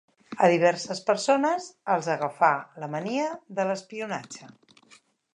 A diverses persones, els agafà la mania de l'espionatge